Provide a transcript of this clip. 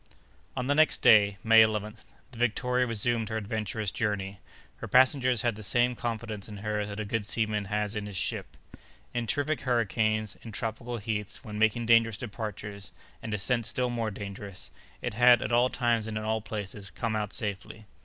On the next day, May 11th, the Victoria resumed her adventurous journey. Her passengers had the same confidence in her that a good seaman has in his ship. In terrific hurricanes, in tropical heats, when making dangerous departures, and descents still more dangerous, it had, at all times and in all places, come out safely.